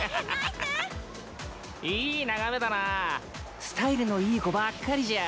いい眺めだなスタイルのいい子ばっかりじゃ。